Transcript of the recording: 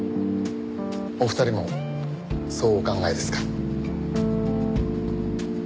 お二人もそうお考えですか？